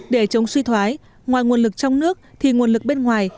để chống suy thoái ngoài nguồn lực trong nước thì nguồn lực bên ngoài